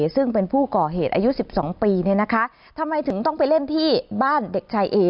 ซึ่งเป็นผู้ก่อเหตุอายุสิบสองปีเนี้ยนะคะทำไมถึงต้องไปเล่นที่บ้านเด็กชายเอ